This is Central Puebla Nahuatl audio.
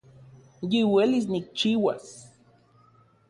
Yiuelis nikchiuas